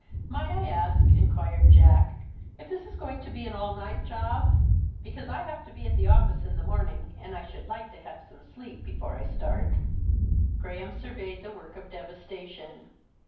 "Might I ask," inquired Jack, "if this is going to be an all night job; because I have to be at the office in the morning, and I should like to have some sleep before I start." Graham surveyed the work of devastation.